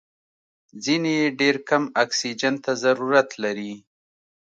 ځینې یې ډېر کم اکسیجن ته ضرورت لري.